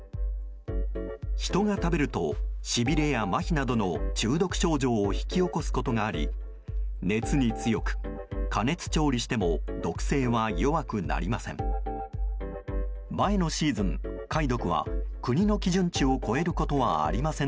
人が食べるとしびれやまひなどの中毒症状を引き起こすことがあり熱に強く、加熱調理しても毒性は弱くなりません。